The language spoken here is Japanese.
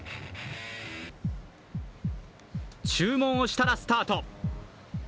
注文をしたらスタート。